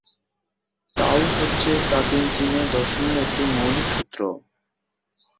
তাও হচ্ছে প্রাচীন চীনের দর্শনের একটি মৌলিক সূত্র।